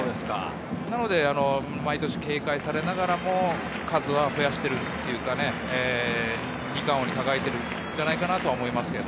なので毎年警戒されながらも、数は増やしているというか、二冠王に輝いているのではないかと思います。